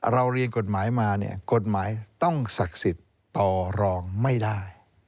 เรียนกฎหมายมาเนี่ยกฎหมายต้องศักดิ์สิทธิ์ต่อรองไม่ได้